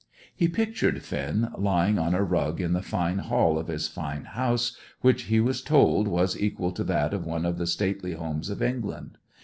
He pictured Finn lying on a rug in the fine hall of his fine house, which he was told was equal to that of one of the stately homes of England.